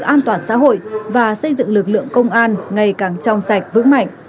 an toàn xã hội và xây dựng lực lượng công an ngày càng trong sạch vững mạnh